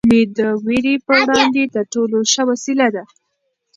امېد د وېرې په وړاندې تر ټولو ښه وسله ده.